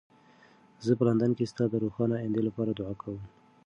زه په لندن کې ستا د روښانه ایندې لپاره دعا کوم.